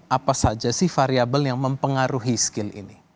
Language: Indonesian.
apa saja sih variable yang mempengaruhi skill ini